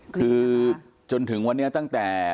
คือจนถึงวันนี้ตั้งแต่